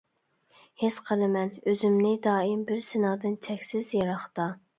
ھېس قىلىمەن ئۈزۈمنى دائىم، بىر سېنىڭدىن چەكسىز يىراقتا.